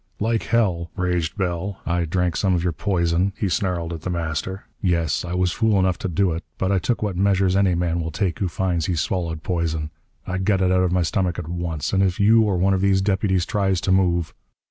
"Like hell!" raged Bell. "I drank some of your poison," he snarled at The Master. "Yes! I was fool enough to do it! But I took what measures any man will take who finds he's swallowed poison. I got it out of my stomach at once. And if you or one of these deputies tries to move...."